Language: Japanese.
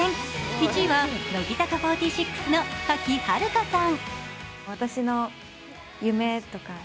１位は乃木坂４６の賀喜遥香さん。